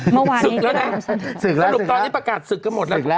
เมื่อวันนี้สึกละนะสึกตอนนี้ประกาศสึกก็หมดแล้วสึกแล้ว